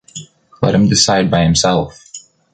Let him decide by himself.